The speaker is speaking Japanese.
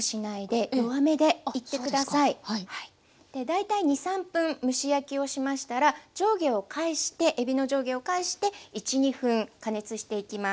大体２３分蒸し焼きをしましたらえびの上下を返して１２分加熱していきます。